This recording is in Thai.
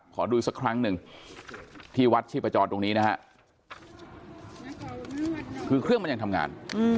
ขอดูอีกสักครั้งหนึ่งที่วัดชีพจรตรงนี้นะฮะคือเครื่องมันยังทำงาน